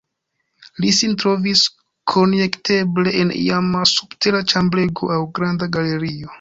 Li sin trovis konjekteble en iama subtera ĉambrego aŭ granda galerio.